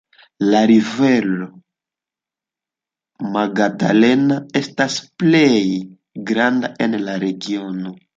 La rivero Magdalena estas plej granda en la regiono.